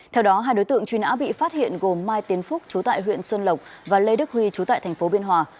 theo đó hai đối tượng truy nã bị phát hiện gồm mai tiến phúc trú tại huyện xuân lộc và lê đức huy trú tại thành phố biên hòa